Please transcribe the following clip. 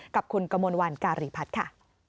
กับคุณกมลวันการีพัฒน์ค่ะ